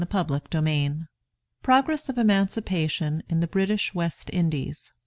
THE BEGINNING AND PROGRESS OF EMANCIPATION IN THE BRITISH WEST INDIES.